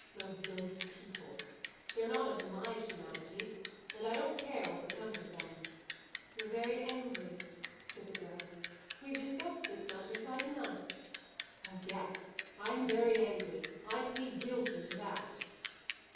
"Oh, those people? They're not of my humanity, and I don't care what becomes of them." "You're very angry," said the girl. "We've discussed this matter quite enough." "Oh yes, I'm very angry. I plead guilty to that!"